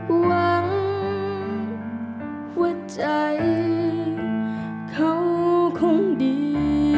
หวังว่าใจเขาคงดี